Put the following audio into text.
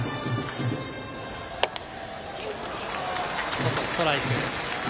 外、ストライク。